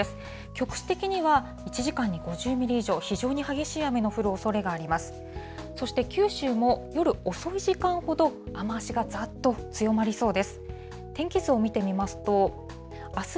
局地的には、１時間に５０ミリ以上、非常に激しい雨の降るおそれがあります。